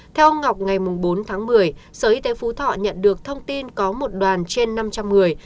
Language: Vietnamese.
theo ông ngọc ngày bốn tháng một mươi sở y tế phú thọ nhận được thông tin có một đoàn trên năm trăm linh người